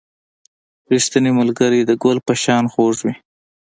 • ریښتینی ملګری د ګل په شان خوږ وي.